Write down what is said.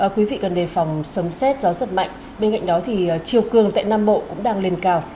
quý vị cần đề phòng sấm xét gió giật mạnh bên cạnh đó thì chiều cường tại nam bộ cũng đang lên cao